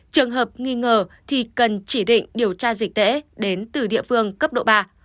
trường hợp nghi ngờ thì cần chỉ định điều tra dịch tễ đến từ địa phương cấp độ ba